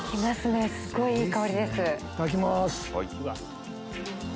いただきます。